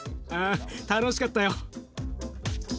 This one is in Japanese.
あ楽しかったよ。